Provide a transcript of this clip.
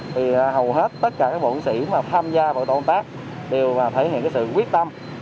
thì hầu hết tất cả các bộ ứng sĩ mà tham gia vào công tác đều thể hiện cái sự quyết tâm